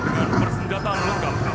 dengan persenjataan lengkap